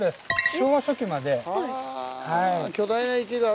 昭和初期まで。